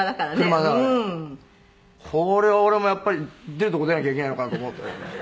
「これは俺もやっぱり出るとこ出なきゃいけないのかなと思って」